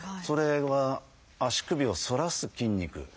それは足首を反らす筋肉。